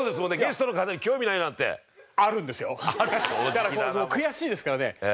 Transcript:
だから悔しいですからね